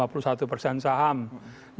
jangan dulu ekspor konsentrasi